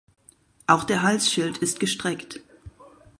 Auch der Halsschild ist gestreckt.